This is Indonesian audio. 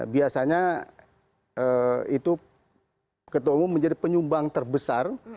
biasanya itu ketua umum menjadi penyumbang terbesar